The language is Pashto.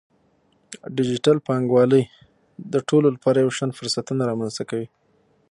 ډیجیټل بانکوالي د ټولو لپاره یو شان فرصتونه رامنځته کوي.